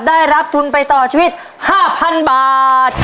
ได้รับทุนไปต่อชีวิต๕๐๐๐บาท